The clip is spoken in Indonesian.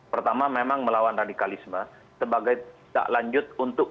pertama memang melawan radikalisme sebagai tidak lanjut untuk